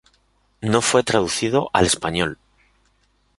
No fue traducido al español.